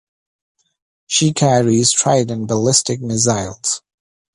She carries Trident ballistic missiles.